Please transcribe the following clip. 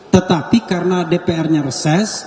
tetapi karena dpr nya reses